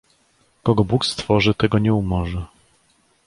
"Kogo Bóg stworzy, tego nie umorzy..."